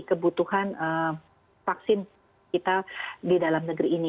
kebutuhan vaksin kita di dalam negeri ini